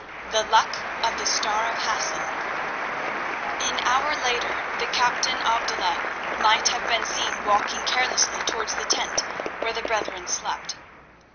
The Luck of the Star of Hassan An hour later the captain Abdullah might have been seen walking carelessly towards the tent where the brethren slept.